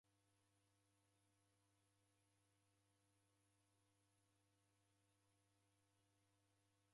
Mfunye ifungu ja ikumi ikanisenyi